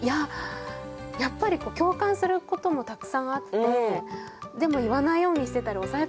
やっぱり共感することもたくさんあってでも言わないようにしてたり抑え込んでたもの